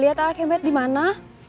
aja teh liat kemet dimana